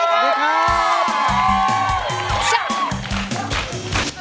สวัสดีครับ